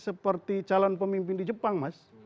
seperti calon pemimpin di jepang mas